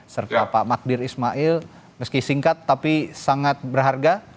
serta pak magdir ismail meski singkat tapi sangat berharga